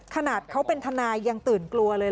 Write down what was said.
ขนาดเขาเป็นทนายยังตื่นกลัวเลย